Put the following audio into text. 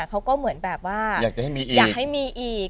เขาก็เหมือนแบบว่าอยากให้มีอีก